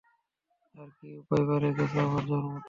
আর কী উপায়ই বা রেখেছো আমার জন্য?